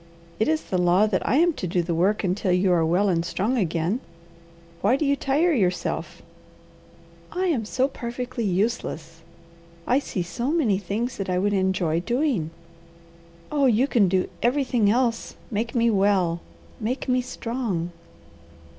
"It is the law that I am to do the work until you are well and strong again. Why did you tire yourself?" "I am so perfectly useless! I see so many things that I would enjoy doing. Oh you can do everything else, make me well! Make me strong!"